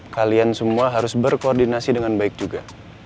kalian semua harus berkoordinasi dengan baik juga